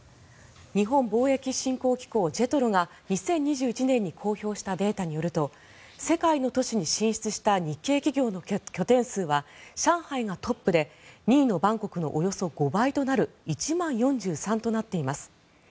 日本貿易振興機構・ＪＥＴＲＯが２０２１年に公表したデータによると世界の都市に進出した日系企業の拠点数は上海がトップで２位のバンコクのおよそ５倍となる１万４３となっています。